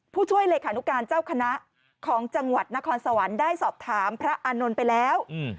ผู้ช่วยเลขานุการเจ้าคณะของจังหวัดนครสวรรค์ได้สอบถามพระอานนท์ไปแล้ว